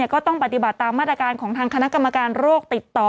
ก็ต้องปฏิบัติตามมาตรการของทางคณะกรรมการโรคติดต่อ